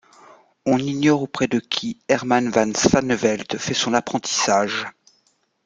On ignore auprès de qui Herman van Swanevelt fait son apprentissage.